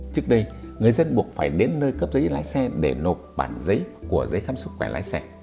trước đây người dân buộc phải đến nơi cấp giấy lái xe để nộp bản giấy của giấy khám sức khỏe lái xe